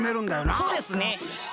そうですね。